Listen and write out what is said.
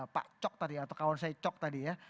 pak cok tadi atau kawan saya cok tadi ya